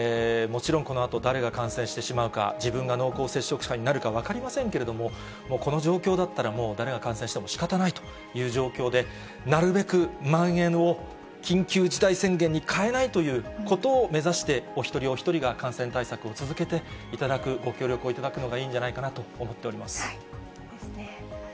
もちろん、このあと誰が感染してしまうか、自分が濃厚接触者になるか分かりませんけれども、もうこの状況だったら、もう誰が感染してもしかたないという状況で、なるべくまん延を、緊急事態宣言に変えないということを目指してお一人お一人が感染対策を続けていただく、ご協力をいただくのがいいんじゃないかなと思っております。ですね。